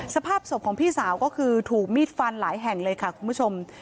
สภาพศพของพี่สาวก็คือถูกมีดฟันหลายแห่งเลยค่ะคุณผู้ชม